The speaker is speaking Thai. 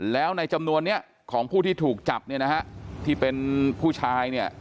แล้วในจำนวนนี้ของผู้ที่ถูกจับที่เป็นผู้ชาย